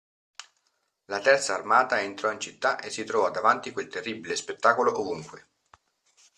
La terza armata entrò in città e si trovò davanti quel terribile spettacolo ovunque.